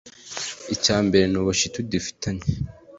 icya mbere ni ubushuti dufitanye